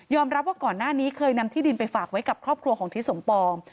รับว่าก่อนหน้านี้เคยนำที่ดินไปฝากไว้กับครอบครัวของทิศสมปอง